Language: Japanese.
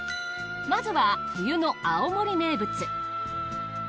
まずは冬の青森名物。